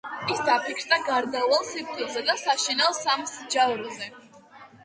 ის დაფიქრდა გარდაუვალ სიკვდილზე და საშინელ სამსჯავროზე.